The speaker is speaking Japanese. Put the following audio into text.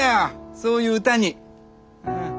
そういう歌に。